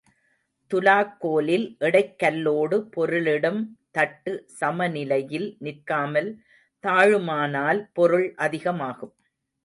துலாக்கோலில் எடைக் கல்லோடு பொருளிடும் தட்டு சமநிலையில் நிற்காமல் தாழுமானால் பொருள் அதிகமாகும்.